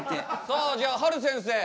さあじゃあはる先生。